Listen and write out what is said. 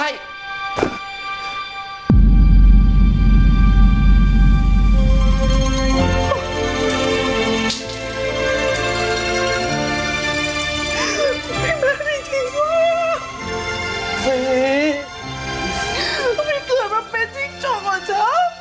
พี่ม่าพี่ทิว่าฟรีพี่เกิดมาเป็นทิศช่องเหรอเธอ